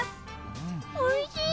おいしい！